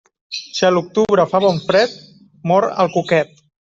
Si a l'octubre fa bon fred, mor el cuquet.